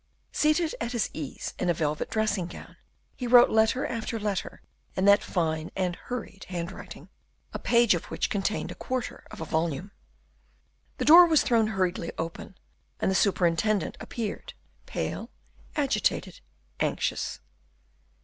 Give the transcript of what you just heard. Seated at his ease in a velvet dressing gown, he wrote letter after letter in that fine and hurried handwriting, a page of which contained a quarter of a volume. The door was thrown hurriedly open, and the superintendent appeared, pale, agitated, anxious.